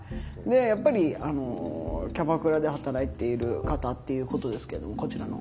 やっぱりキャバクラで働いている方っていうことですけどもこちらの方は。